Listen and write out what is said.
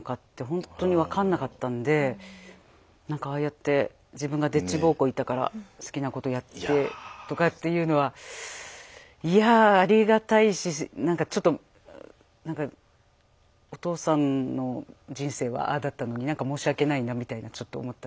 ほんとに分かんなかったんでなんかああやって「自分がでっち奉公行ったから好きなことやって」とかっていうのはいやぁありがたいしなんかちょっとなんかお父さんの人生はああだったのになんか申し訳ないなみたいなちょっと思ったり。